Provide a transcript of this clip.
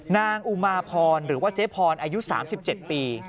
อุมาพรหรือว่าเจ๊พรอายุ๓๗ปี